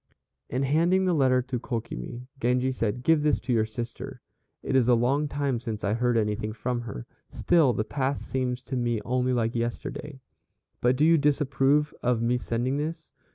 In handing the letter to Kokimi, Genji said, "Give this to your sister; it is a long time since I heard anything from her, still the past seems to me only like yesterday. But do you disapprove of my sending this?"